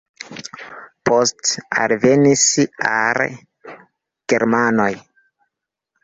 Poste alvenis are germanoj.